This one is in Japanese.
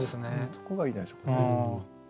そこがいいじゃないでしょうかね。